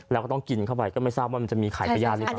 แล้วก็ต้องกินเข้าไปก็ไม่ทราบว่ามันจะมีไข่พญาติหรือเปล่า